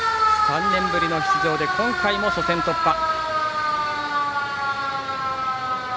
３年ぶりの出場で今回も初戦突破。